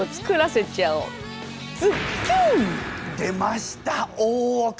出ました大奥！